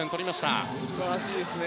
素晴らしいですね。